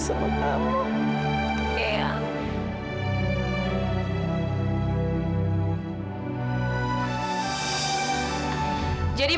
yayang kaya kata sendirian